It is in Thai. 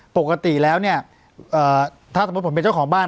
ปกติแล้วเนี่ยถ้าสมมุติผมเป็นเจ้าของบ้าน